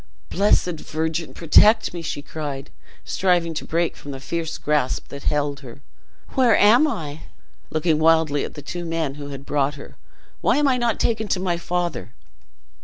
"Blessed Virgin, protect me!" she cried, striving to break from the fierce grasp that held her. "Where am I?" looking wildly at the two men who had brought her: "Why am I not taken to my father?"